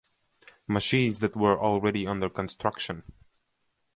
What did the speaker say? Machines that were already under construction.